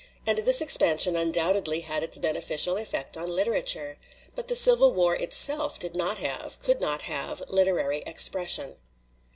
And this expan sion undoubtedly had its beneficial effect on lit erature. But the Civil War itself did not have, could not have, literary expression.